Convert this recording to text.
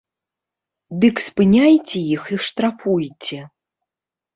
Дык спыняйце іх і штрафуйце!